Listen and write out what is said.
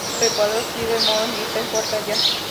Súper Escuadrón Ciber Monos Hiper Fuerza ¡Ya!